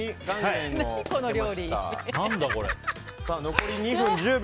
残り２分１０秒。